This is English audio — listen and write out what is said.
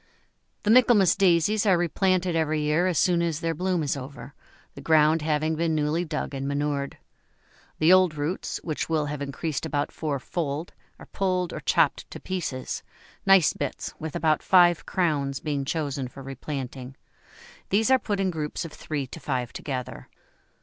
The Michaelmas Daisies are replanted every year as soon as their bloom is over, the ground having been newly dug and manured. The old roots, which will have increased about fourfold, are pulled or chopped to pieces, nice bits with about five crowns being chosen for replanting; these are put in groups of three to five together.